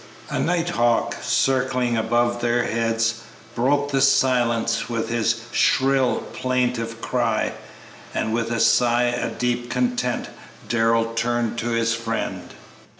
A nighthawk, circling above their heads, broke the silence with his shrill, plaintive cry, and with a sigh of deep content Darrell turned to his friend.